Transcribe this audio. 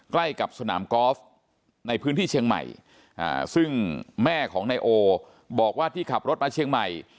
ใกล้กับสนามกอล์ฟในพื้นที่เชียงใหม่ซึ่งแม่ของนายโอบอกว่าที่ขับรถมาเชียงใหม่